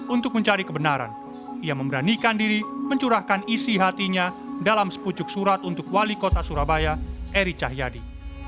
untuk mencari kebenaran ia memberanikan diri mencurahkan isi hatinya dalam sepucuk surat untuk wali kota surabaya eri cahyadi